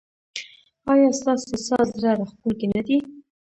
ایا ستاسو ساز زړه راښکونکی نه دی؟